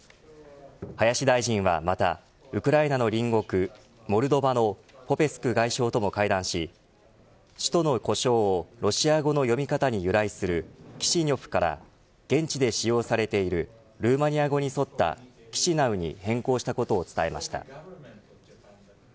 林大臣は、またウクライナの隣国モルドバのポペスク外相とも会談し首都の呼称をロシア語の読み方に由来するキシニョフから現地で使用されているルーマニア語に沿ったキシナウに変更したことを伝えました。